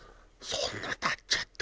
そんな経っちゃった？